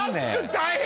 大変！